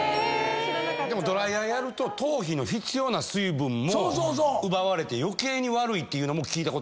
でもドライヤーやると頭皮の必要な水分も奪われて余計に悪いっていうのも聞いたことあるんですけど。